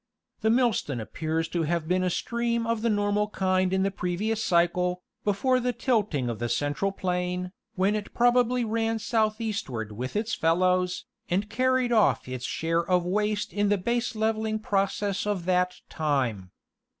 The Millstone appears to have been a stream of the normal kind in the previous cycle, before the tilting of the Central plain, when it probably ran southeastward with its fellows, and carried off its share of waste in the baselevelling process of that time.